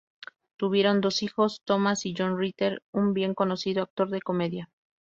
Tuvieron dos hijos, Thomas y John Ritter, un bien conocido actor de comedia.